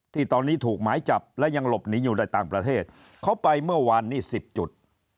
ที่ตอนนี้ถูกหมายจับและยังหลบหนีอยู่ในต่างประเทศเขาไปเมื่อวานนี้๑๐จุด